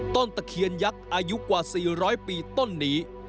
ตะเคียนยักษ์อายุกว่า๔๐๐ปีต้นนี้